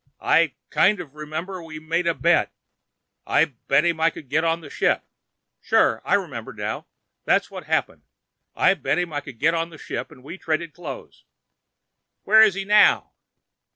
"I kind of remember we made a bet. I bet him I could get on the ship. Sure—I remember, now. That's what happened; I bet him I could get on the ship and we traded clothes." "Where is he now?"